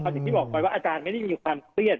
ความที่พิพัทธ์บอกว่าอาจารย์ไม่ได้มีความเตรียด